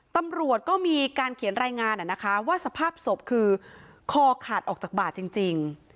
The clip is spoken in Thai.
ตำรวจก็มีการเขียนรายงานว่าสภาพศพคือคอขาดออกจากบ่าจริง